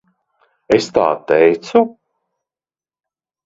Es tā teicu?